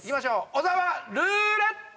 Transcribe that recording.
小沢ルーレット！